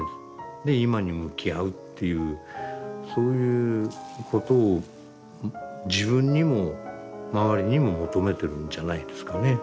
で今に向き合うっていうそういうことを自分にも周りにも求めてるんじゃないですかね。